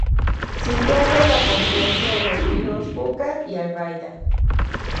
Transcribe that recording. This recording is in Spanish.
Situado en la confluencia de los ríos Júcar y Albaida.